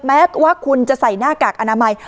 แม้ว่าคุณจะใส่หน้ากากอนามัย